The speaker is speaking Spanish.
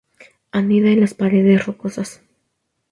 Anida en las paredes rocosas.